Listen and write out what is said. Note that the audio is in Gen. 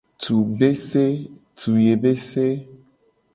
Tsu bese.